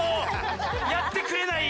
やってくれない。